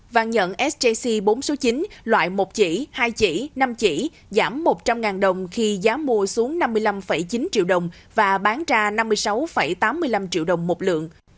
vàng nhẫn sjc bốn số chín loại một chỉ hai chỉ năm chỉ giảm một trăm linh đồng khi giá mua xuống năm mươi năm chín triệu đồng và bán ra năm mươi sáu tám mươi năm triệu đồng một lượng